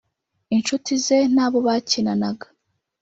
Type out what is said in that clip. inshuti ze n'abo bakinanaga